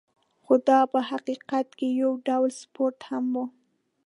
خو دا په حقیقت کې یو ډول سپورت هم و.